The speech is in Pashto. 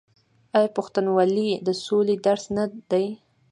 آیا پښتونولي د سولې درس نه دی؟